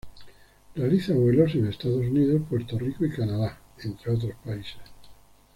Realiza vuelos en Estados Unidos, Puerto Rico y Canadá, entre otros países.